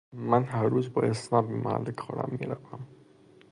من هر روز با اسنپ به محل کارم میروم.